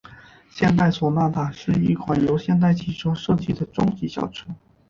现代索纳塔是一款由现代汽车设计的中级轿车。